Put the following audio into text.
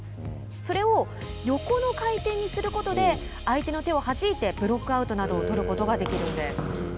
それを横の回転にすることで相手の手をはじいてブロックアウトなどを取ることができるんです。